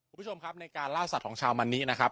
คุณผู้ชมครับในการล่าสัตว์ของชาวมันนินะครับ